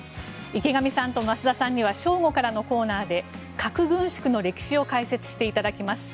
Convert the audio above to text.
池上さんと増田さんには正午からのコーナーで核軍縮の歴史を解説していただきます。